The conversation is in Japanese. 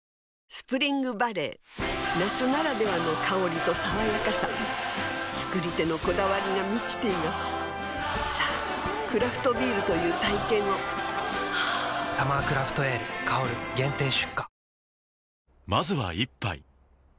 スプリングバレー夏ならではの香りと爽やかさ造り手のこだわりが満ちていますさぁクラフトビールという体験を「サマークラフトエール香」限定出荷